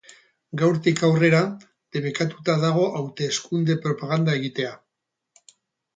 Gaurtik aurrera, debekatuta dago hauteskunde-propaganda egitea.